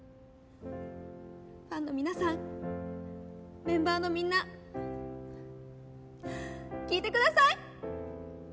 ファンの皆さんメンバーのみんな聞いてください！